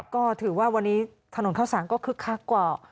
ก็ถือว่าวันนี้ถนนข้าวสารก็คึกคักกว่า